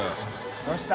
どうした？